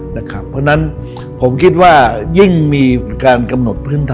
เพราะฉะนั้นผมคิดว่ายิ่งมีการกำหนดพื้นฐาน